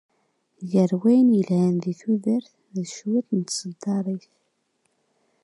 Ger wayen yelhan di tudert d cwiṭ n tseddarit.